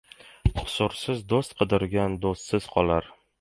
• Qusursiz do‘st qidirgan do‘stsiz qolar.